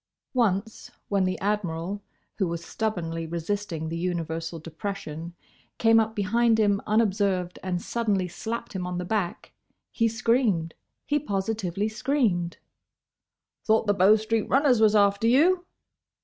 Once, when the Admiral, who was stubbornly resisting the universal depression, came up behind him unobserved and suddenly slapped him on the back, he screamed—he positively screamed. "Thought the Bow street runners was after you?"